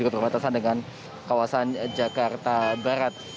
berbatasan dengan kawasan jakarta barat